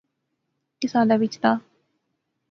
کس حالے وچ دا